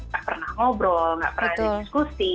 tak pernah ngobrol nggak pernah ada diskusi